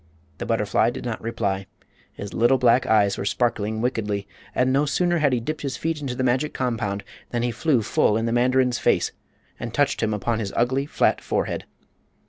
The butterfly did not reply. His little black eyes were sparkling wickedly, and no sooner had he dipped his feet into the magic compound than he flew full in the mandarin's face, and touched him upon his ugly, flat forehead.